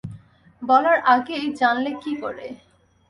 বলার আগেই জানলে কী করে?